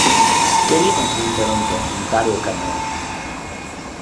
Kelly nació en Toronto, Ontario, Canadá.